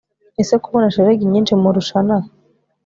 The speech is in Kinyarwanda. ese kubona shelegi nyinshi mu rushana